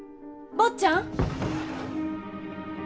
坊ちゃん！